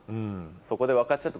そこで分かっちゃって。